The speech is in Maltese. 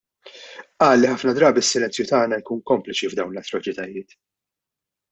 Qal li ħafna drabi s-silenzju tagħna jkun kompliċi f'dawn l-atroċitajiet.